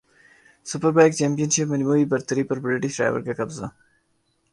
superbike championship مجموعی برتری پر برٹش رائیور کاقبضہ